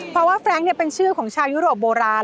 เพราะว่าแฟรงค์เป็นชื่อของชาวยุโรปโบราณ